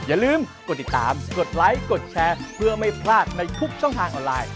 อย่าลืมกดติดตามกดไลค์กดแชร์เพื่อไม่พลาดในทุกช่องทางออนไลน์